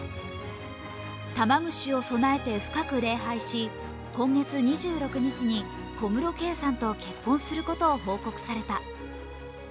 玉串を供えて深く礼拝し、今月２６日に小室圭さんと結婚することを報告された。